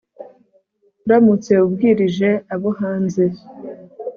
uramutse ubwirije abo hanze